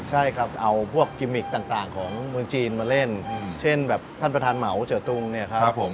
ใช่ครับเอาพวกกิมมิกต่างของเมืองจีนมาเล่นเช่นแบบท่านประธานเหมาเจอตุงเนี่ยครับผม